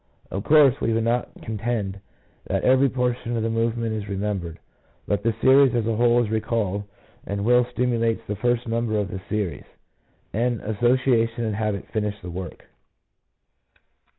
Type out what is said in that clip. Of course, we would not contend that every portion of the movement is remembered ; but the series as a whole is recalled, and the will stimulates the first number of the series, and association and habit finish the work.